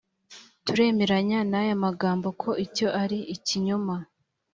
turemeranya n’aya magambo ko icyo ari ikinyoma